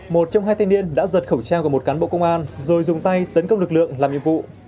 một trong hai thanh niên đã giật khẩu trang của một cán bộ công an rồi dùng tay tấn công lực lượng làm nhiệm vụ